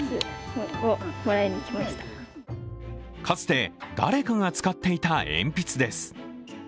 かつて、誰かが使っていた鉛筆です。